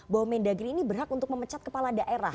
bahwa mendagri ini berhak untuk memecat kepala daerah